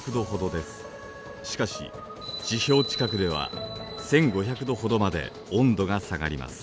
しかし地表近くでは１，５００度ほどまで温度が下がります。